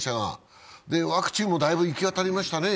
ワクチンもだいぶ行き渡りましたね。